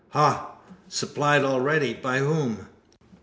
"Ha! Supplied already! By whom?"